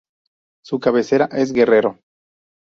Su cabecera es Guerrero.